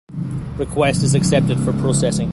Request is accepted for processing.